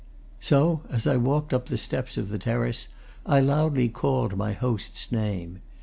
So, as I walked up the steps of the terrace, I loudly called my host's name.